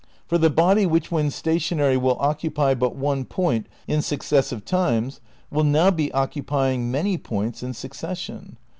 For the body which when stationary will occupy but one point in successive times will now be occupying many points in succession.